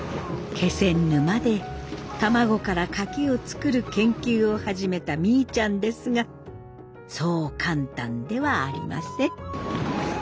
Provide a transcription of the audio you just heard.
気仙沼で卵からカキを作る研究を始めたみーちゃんですがそう簡単ではありません。